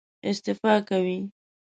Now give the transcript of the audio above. استفاده کوي.